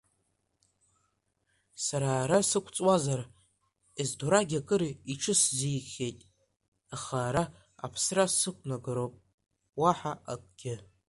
Сара ара сықәҵуазар, Ездорагь акыр иҽысзикхьеит, аха ара аԥсра сықәнагароуп уаҳа акгьы.